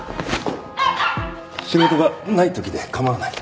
仕事がない時で構わない。